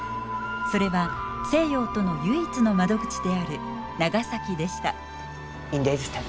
それは西洋との唯一の窓口である長崎でした。